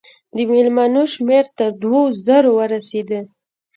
د مېلمنو شمېر تر دوو زرو ورسېدی.